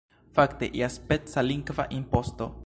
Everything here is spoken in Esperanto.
Fakte iaspeca lingva imposto.